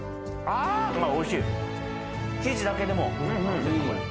あーおいしい生地だけでもうんうん